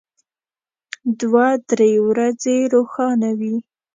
دوه درې ورځې روښانه وي.